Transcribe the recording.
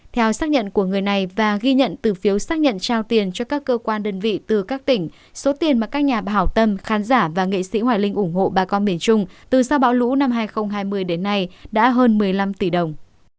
theo xác nhận của người này và ghi nhận từ phiếu xác nhận trao tiền cho các cơ quan đơn vị từ các tỉnh số tiền mà các nhà hảo tâm khán giả và nghệ sĩ hoài linh ủng hộ bà con miền trung từ sau bão lũ năm hai nghìn hai mươi đến nay đã hơn một mươi năm tỷ đồng